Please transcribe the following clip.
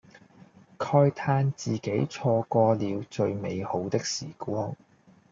慨嘆自己錯過了最美好的時光